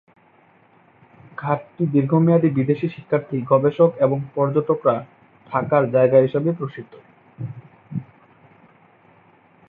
ঘাটটি দীর্ঘমেয়াদী বিদেশী শিক্ষার্থী, গবেষক এবং পর্যটকরা থাকার জায়গা হিসেবে প্রসিদ্ধ।